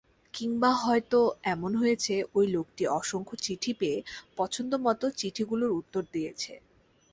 কিংবা হয়তো এমন হয়েছে, ঐ লোকটি অসংখ্য চিঠি পেয়ে পছন্দমতো চিঠিগুলোর উত্তর দিয়েছে।